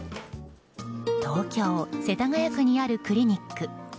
東京・世田谷区にあるクリニック。